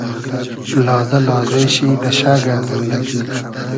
لازۂ لازې شی دۂ شئگۂ زیندئگی